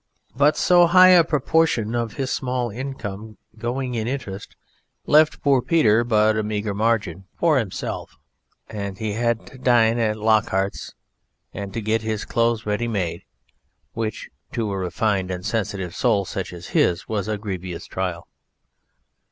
But so high a proportion of his small income going in interest left poor Peter but a meagre margin for himself and he had to dine at Lockhart's and get his clothes ready made, which (to a refined and sensitive soul such as his) was a grievous trial.